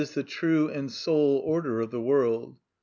_, the true and sole order of the world.